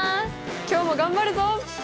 今日も頑張るぞ！